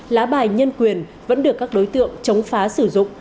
lá bài nhân quyền vẫn được các đối tượng chống phá sử dụng